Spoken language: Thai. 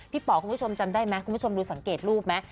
ป๋อคุณผู้ชมจำได้ไหมคุณผู้ชมดูสังเกตรูปไหม